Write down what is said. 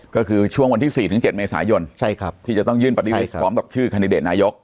ก็คือช่วงวันที่๔๗เมษายนที่จะต้องยื่นบัญชีรายชื่อของคันดิเดตนายก